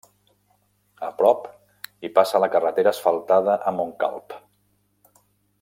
A prop hi passa la carretera asfaltada a Montcalb.